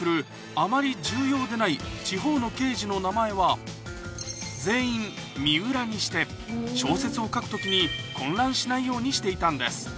あまり重要でない地方の刑事の名前は全員三浦にして小説を書く時に混乱しないようにしていたんです